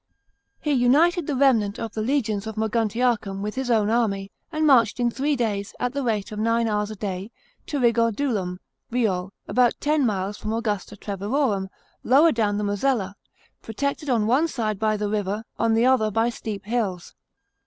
He united the remnant of the legions of Mojiuntincum with his own army, and marched in three days, at the rate of nine hours a day, to Kigodnltiin (Riol), about ten miles from Augusta Treverorum, lower down the Mosella, protected on one side by the river, on the other by steep hills.